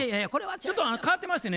ちょっと変わってましてね